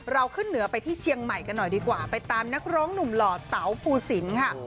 ขึ้นเหนือไปที่เชียงใหม่กันหน่อยดีกว่าไปตามนักร้องหนุ่มหล่อเต๋าภูสินค่ะ